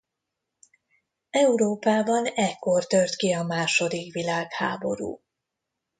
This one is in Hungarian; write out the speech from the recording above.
Európában ekkor tört ki a második világháború.